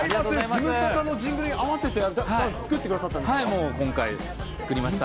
ズムサタのジングルに合わせて、ダンス作ってくださったんで今回、作りました。